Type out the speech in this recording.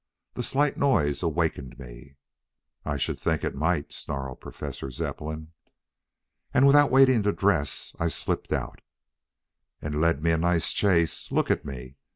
The slight noise awakened me " "I should think it might," snarled Professor Zepplin. "And, without waiting to dress, I slipped out " "And led me a nice chase. Look at me.